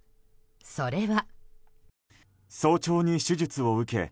それは。